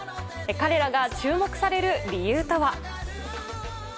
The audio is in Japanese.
彼らが注目される理由とは。